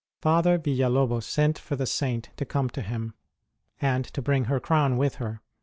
Father Villalobos sent for the Saint to come to him, and to bring her crown with her